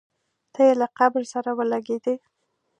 تی یې له قبر سره ولګېدی.